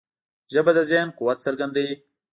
ژبه د ذهن قوت څرګندوي